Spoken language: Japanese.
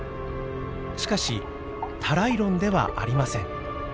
しかしタライロンではありません。